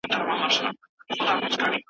سوله د پرمختګ لپاره ضروري ده.